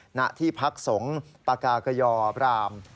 หน้าที่พักสงฆ์ปากากยอบราม